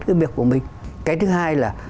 cái việc của mình cái thứ hai là